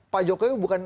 pak jokowi bukan